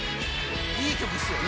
「いい曲っすよね。